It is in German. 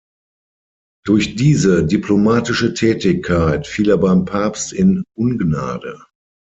Durch diese diplomatische Tätigkeit fiel er beim Papst in Ungnade.